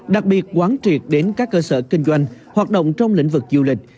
đặc biệt quán triệt đến các cơ sở kinh doanh hoạt động trong lĩnh vực du lịch